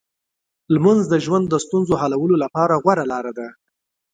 لمونځ د ژوند د ستونزو حلولو لپاره غوره لار ده.